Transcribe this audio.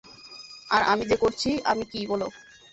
আর আমি যে করছি, আমি কী, বল?